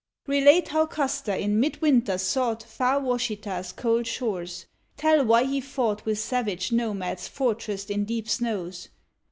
Relate how Custer in midwinter sought Far Washita's cold shores; tell why he fought With savage nomads fortressed in deep snows.